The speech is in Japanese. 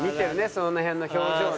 その辺の表情ね。